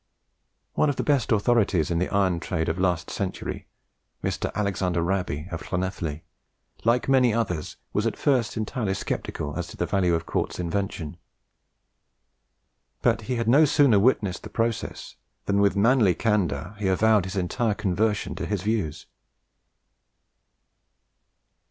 One of the best authorities in the iron trade of last century, Mr. Alexander Raby of Llanelly, like many others, was at first entirely sceptical as to the value of Cort's invention; but he had no sooner witnessed the process than with manly candour he avowed his entire conversion to his views.